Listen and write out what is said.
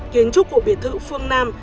kiến trúc của biệt thự phương nam